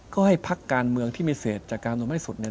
ก็ให้ภักดิ์การเมืองที่มีเศษจากการลงให้สุด